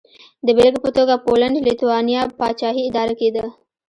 د بېلګې په توګه پولنډ-لېتوانیا پاچاهي اداره کېده.